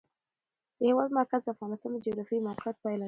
د هېواد مرکز د افغانستان د جغرافیایي موقیعت پایله ده.